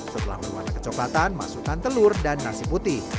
setelah berwarna kecoklatan masukkan telur dan nasi putih